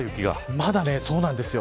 そうなんですよ。